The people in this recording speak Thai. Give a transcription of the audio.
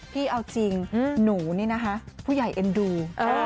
พี่เอาจริงหนูนี่นะคะผู้ใหญ่เอ็นดู